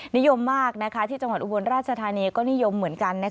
นิยมมากที่จังหวัดอุบลราชธานีก็นิยมเหมือนกัน